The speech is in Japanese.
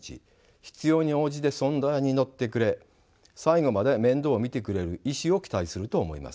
必要に応じて相談に乗ってくれ最後まで面倒を見てくれる医師を期待すると思います。